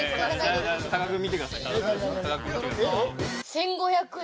◆１５００円。